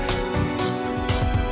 taruh di depan